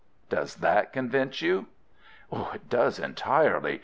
Does that convince you?" "It does entirely.